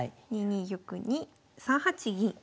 ２二玉に３八銀。